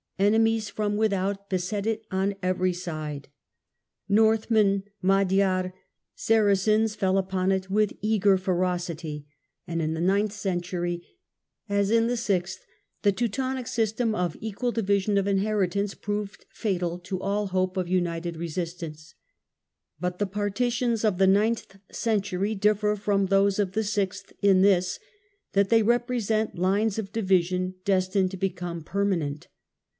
Enemies from without beset century ^ Qn ever y s j ( j e> Northmen, Magyars, Saracens, fell upon it with eager ferocity, and in the ninth century, as in the sixth, the Teutonic system of equal division of inheritance proved fatal to all hope of united resist ance. But the partitions of the ninth century differ from those of the sixth in this, that they represent lines of division destined to become permanent.